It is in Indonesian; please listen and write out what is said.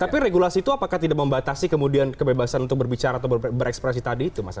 tapi regulasi itu apakah tidak membatasi kemudian kebebasan untuk berbicara atau berekspresi tadi itu mas